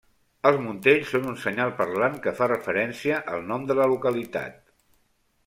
Els muntells són un senyal parlant que fa referència al nom de la localitat.